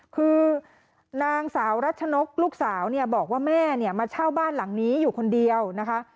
คือนางสาวรัชนกลูกสาวเนี่ยบอกว่าแม่เนี่ยมาเช่าบ้านหลังนี้อยู่คนเดียวนะคะ